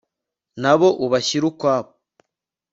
na bo ubashyire ukwabo